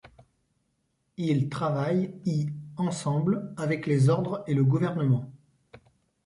Il travaille y ensemble avec les ordres et le gouvernement.